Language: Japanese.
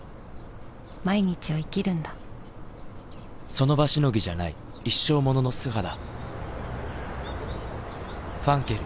その場しのぎじゃない一生ものの素肌磧ファンケル」